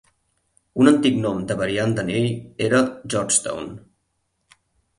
Un antic nom de variant de Ney era Georgetown.